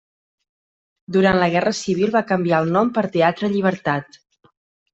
Durant la Guerra Civil va canviar el nom per Teatre Llibertat.